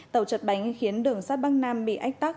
tàu chật bánh khiến đường sát bắc nam bị ách tắc